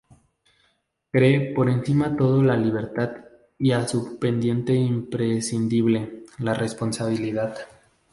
Cree por-encima todo en la libertad y a su pendiente imprescindible, la responsabilidad.